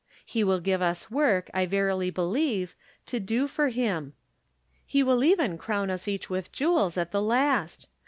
He will give us work, I verily believe, to do for him. He will even crown us each with jewels at the last.